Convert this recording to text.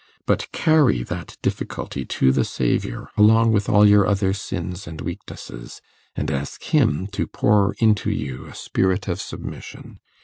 But carry that difficulty to the Saviour along with all your other sins and weaknesses, and ask him to pour into you a spirit of submission.